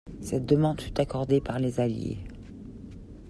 Cette demande fut accordée par les Alliés.